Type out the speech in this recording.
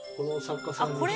「これ？